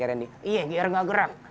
iya biar tidak gerak